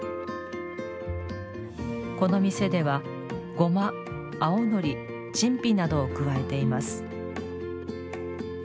この店では、ごま、青のり陳皮などを加えています。